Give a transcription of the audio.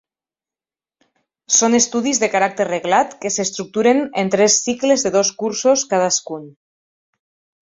Són estudis de caràcter reglat que s'estructuren en tres cicles de dos cursos cadascun.